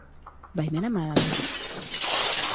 Baimena eman al duzu?